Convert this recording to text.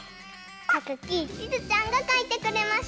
たかきちづちゃんがかいてくれました。